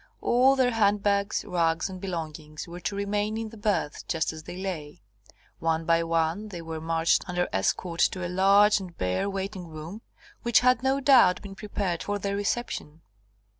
All their hand bags, rugs, and belongings were to remain in the berths, just as they lay. One by one they were marched under escort to a large and bare waiting room, which had, no doubt, been prepared for their reception.